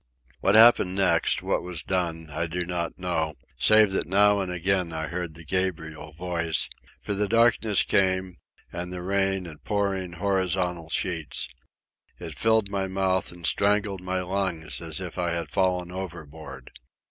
What happened next, what was done, I do not know, save that now and again I heard the Gabriel voice; for the darkness came, and the rain in pouring, horizontal sheets. It filled my mouth and strangled my lungs as if I had fallen overboard.